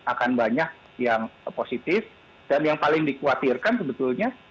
akan banyak yang positif dan yang paling dikhawatirkan sebetulnya